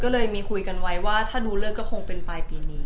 ก็เลยมีคุยกันไว้ว่าถ้าดูเลิกก็คงเป็นปลายปีนี้